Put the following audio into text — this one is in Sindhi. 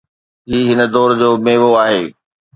هي هن دور جو ميوو آهي.